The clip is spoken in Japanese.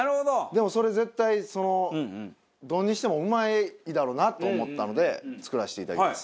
でもそれ絶対丼にしてもうまいだろうなと思ったので作らせていただきます。